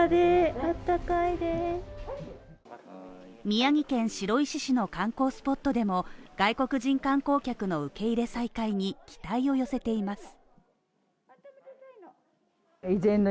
宮城県白石市の観光スポットでも外国人観光客の受け入れ再開に期待を寄せています。